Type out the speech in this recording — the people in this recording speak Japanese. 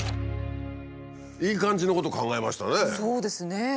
いい感じのこと考えましたね。